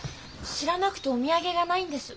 知らなくておみやげがないんです。